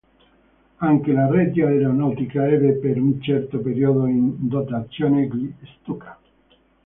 Anche la Regia Aeronautica ebbe per un certo periodo in dotazione gli "Stuka".